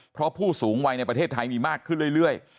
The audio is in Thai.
เพราะผู้สูงวัยในประเทศไทยมีมากขึ้นเรื่อย